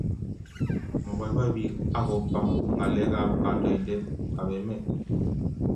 moboiboi pik ako ba ngalek ab kandoiten ab emt